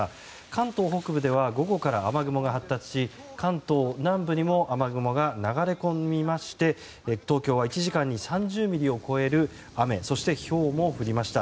関東北部では午後から雨雲が発達し関東南部にも雨雲が流れ込みまして東京は１時間に３０ミリを超える雨そして、ひょうも降りました。